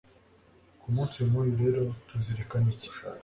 ku munsi nk'uyu rero tuzirikana iki